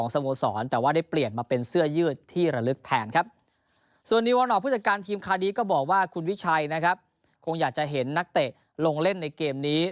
ส่วนนิวานอกผู้จัดการทีมคาดีก็บอกว่าคุณวิชัยนะครับคงอยากจะเห็นนักเตะลงเล่นในเกมนี้